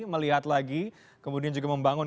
melihat lagi kemudian juga membangun